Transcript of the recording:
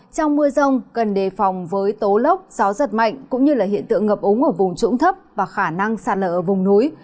trong mưa rông cần đề phòng với tố lốc gió giật mạnh cũng như hiện tượng ngập ống ở vùng trũng thấp và khả năng sạt lở ở vùng núi